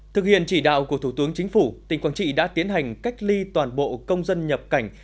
thực hiện chỉ đạo của thủ tướng chính phủ tỉnh quảng trị đã tiến hành cách ly toàn bộ công dân nhập cảnh